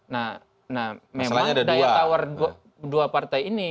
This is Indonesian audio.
nah memang daya tawar dua partai ini